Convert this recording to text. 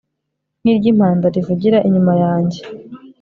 nk iry impanda rivugira inyuma yanjye